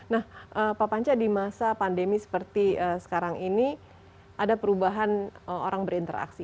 nah pak panca di masa pandemi seperti sekarang ini ada perubahan orang berinteraksi